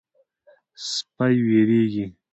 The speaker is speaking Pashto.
سپي وېرېږي.